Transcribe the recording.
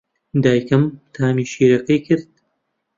دایکم تامی شیرەکەی کرد.